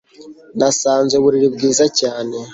Nasanze uburiri bwiza cyane